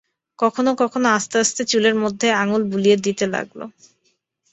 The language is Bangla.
কখনো কখনো আস্তে আস্তে চুলের মধ্যে আঙুল বুলিয়ে দিতে লাগল।